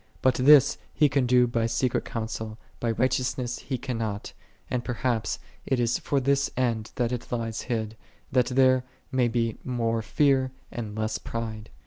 But this He can do by secret counsel, by un righteous He cannot: and perhaps it is for this end that it lies hid, that there may be more fear, and less pride.